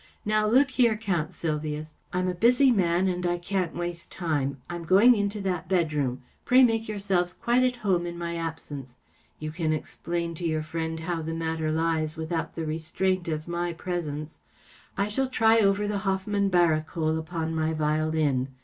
Now, look here, Count Sylvius. I'm a busy man and I can't waste time. I'm going into that bedroom. Pray make yourselves quite at home in my absence. You can explain to your friend how the matter lies without the restraint of my presence. I shall try over the Hoffmann Barcarole upon my violin.